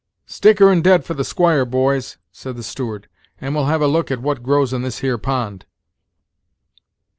"Stick her in dead for the squire, boys," said the steward, "and we'll have a look at what grows in this here pond."